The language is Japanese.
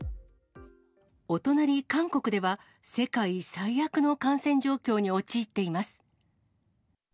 お隣、韓国では世界最悪の感染状況に陥っています。